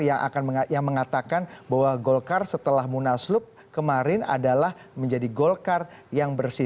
yang mengatakan bahwa golkar setelah munaslup kemarin adalah menjadi golkar yang bersih